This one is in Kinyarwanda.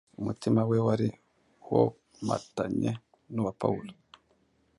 Umutima we wari womatanye n’uwa Pawulo